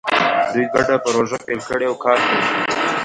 دوی ګډه پروژه پیل کړې او کار کوي